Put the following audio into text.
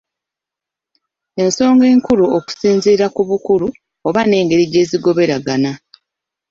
Ensonga enkulu okusinziira ku bukulu oba n'engeri gye zigoberegana.